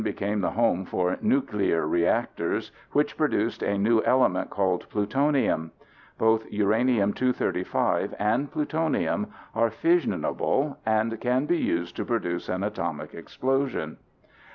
became the home for nuclear reactors which produced a new element called plutonium. Both uranium 235 and plutonium are fissionable and can be used to produce an atomic explosion.